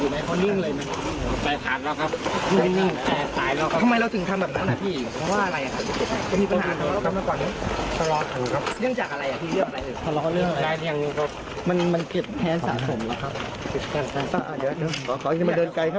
มีสติอยู่ไหมเขานิ่งเลยว่าอะไรอ่ะครับมันเก็บแผนสาสมหรือครับ